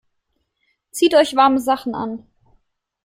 Zieht euch warme Sachen an!